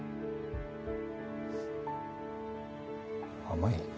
甘い。